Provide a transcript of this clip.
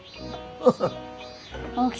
ハハハハ！